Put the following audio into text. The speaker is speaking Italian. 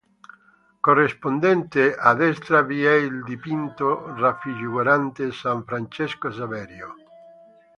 Corrispondente a destra vi è il dipinto raffigurante "San Francesco Saverio".